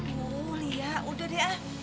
bu liat udah deh